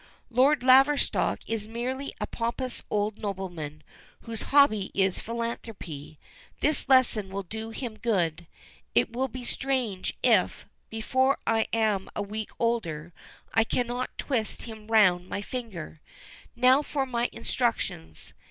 Lord Laverstock is merely a pompous old nobleman, whose hobby is philanthropy. This lesson will do him good. It will be strange if, before I am a week older, I cannot twist him round my finger. Now for my instructions.